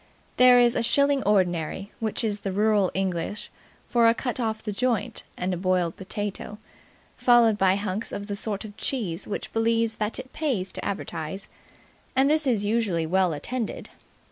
On Saturdays there is a "shilling ordinary" which is rural English for a cut off the joint and a boiled potato, followed by hunks of the sort of cheese which believes that it pays to advertise, and this is usually well attended.